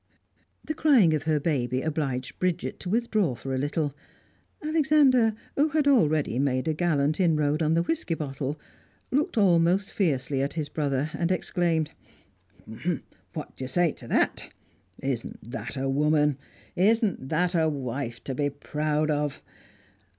The crying of her baby obliged Bridget to withdraw for a little. Alexander, who had already made a gallant inroad on the whisky bottle, looked almost fiercely at his brother, and exclaimed: "What do you say to that? Isn't that a woman? Isn't that a wife to be proud of?"